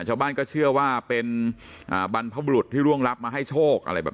ชาวบ้านก็เชื่อว่าเป็นอ่าบรรพบุรุษที่ร่วงรับมาให้โชคอะไรแบบ